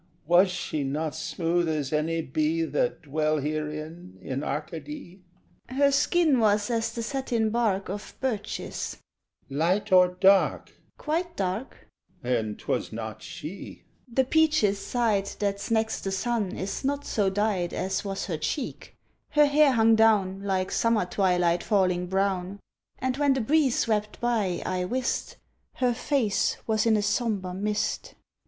Was she not smooth as any be That dwell herein in Arcady? PILGRIM. Her skin was as the satin bark Of birches. SHEPHERD. Light or dark? PILGRIM. Quite dark. SHEPHERD. Then 'twas not she. PILGRIM. The peach's side That's next the sun is not so dyed As was her cheek. Her hair hung down Like summer twilight falling brown; And when the breeze swept by, I wist Her face was in a sombre mist.